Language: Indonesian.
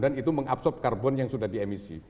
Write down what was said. dan itu mengabsorb karbon yang sudah diemisi